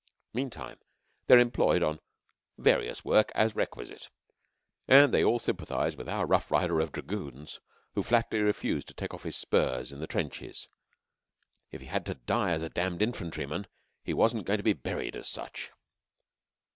Meantime, they are employed on "various work as requisite," and they all sympathize with our rough rider of Dragoons who flatly refused to take off his spurs in the trenches. If he had to die as a damned infantryman, he wasn't going to be buried as such.